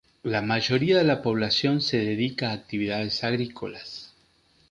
La mayoría de la población se dedica a actividades agrícolas.